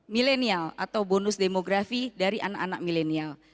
millenial atau bonus demografi dari anak anak millenial